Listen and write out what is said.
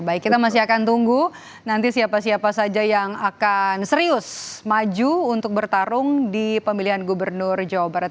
baik kita masih akan tunggu nanti siapa siapa saja yang akan serius maju untuk bertarung di pemilihan gubernur jawa barat